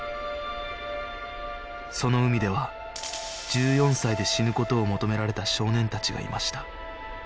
その海では１４歳で死ぬ事を求められた少年たちがいました